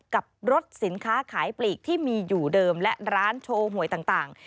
กับรถสินค้าขายปลีกที่มีอยู่เดิมและร้านโชว์หวยต่าง